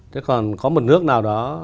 thế còn có một nước nào đó